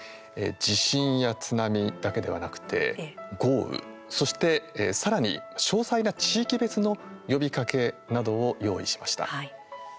地震や津波だけではなくて豪雨そして、さらに詳細な地域別の呼びかけなどを用意しました。